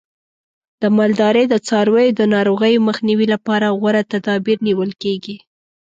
د مالدارۍ د څارویو د ناروغیو مخنیوي لپاره غوره تدابیر نیول کېږي.